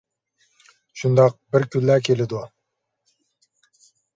شۇنداق بىر كۈنلەر كېلىدۇ.